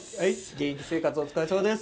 現役生活お疲れさまです。